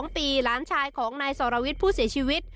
๒ปีหลานชายของนายสรวิทย์ผู้เสียชีวิต